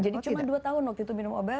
jadi cuma dua tahun waktu itu minum obat